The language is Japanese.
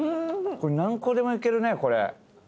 何個でもいけるねこれ。